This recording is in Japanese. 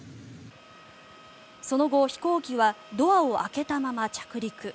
その後、飛行機はドアを開けたまま着陸。